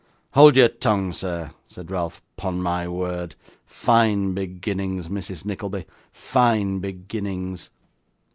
'Hold your tongue, sir,' said Ralph. 'Upon my word! Fine beginnings, Mrs Nickleby fine beginnings!